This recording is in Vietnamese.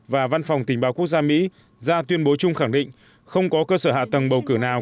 và văn phòng tình báo quốc gia mỹ ra tuyên bố chung khẳng định không có cơ sở hạ tầng bầu cử nào